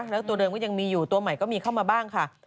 แล้วตัวเดิมก็ยังมีอยู่ตัวใหม่ก็มีเข้ามาบ้างค่ะ